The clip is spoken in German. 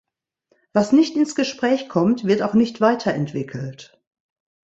Was nicht ins Gespräch kommt, wird auch nicht weiterentwickelt.